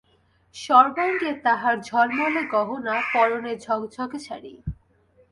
সর্বাঙ্গে তাহার ঝলমলে গহনা, পরনে ঝকঝকে শাড়ি।